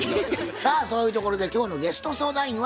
さあそういうところで今日のゲスト相談員はこの方です。